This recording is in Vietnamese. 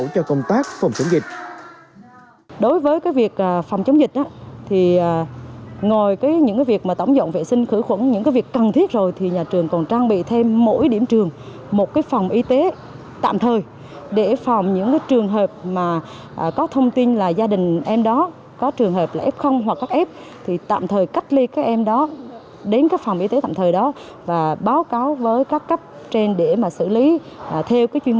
các em đảm bảo cho công tác phòng chống dịch